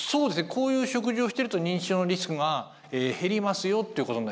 こういう食事をしてると認知症のリスクが減りますよっていうことになります。